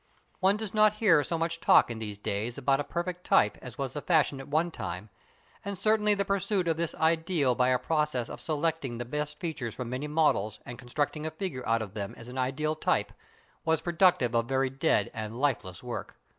One does not hear so much talk in these days about a perfect type as was the fashion at one time; and certainly the pursuit of this ideal by a process of selecting the best features from many models and constructing a figure out of them as an ideal type, was productive of very dead and lifeless work.